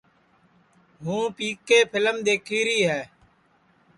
ہوں پی کے پھیلم دؔیکھیری ہے